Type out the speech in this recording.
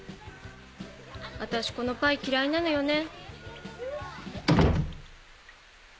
私このパイ嫌いなのよね。